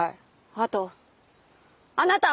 あとあなた！